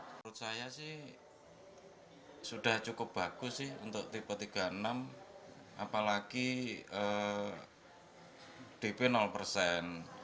menurut saya sih sudah cukup bagus sih untuk tipe tiga puluh enam apalagi dp persen